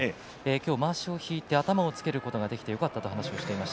まわしを引いて頭をつけることができてよかったということを話しています。